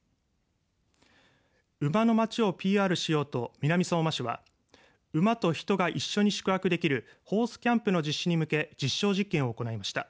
うまのまちをＰＲしようと南相馬市は馬と人が一緒に宿泊できるホースキャンプの実施に向け実証実験を行いました。